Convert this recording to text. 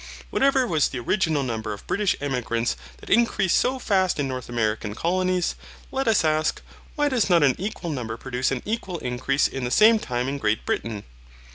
Whatever was the original number of British emigrants that increased so fast in the North American Colonies, let us ask, why does not an equal number produce an equal increase in the same time in Great Britain?